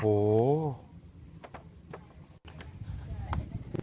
โอ้โห